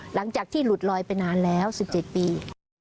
หลังจากที่หลุดลอยไปนานแล้ว๑๗ปี